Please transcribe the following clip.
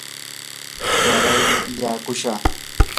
waraymi illaakushaq.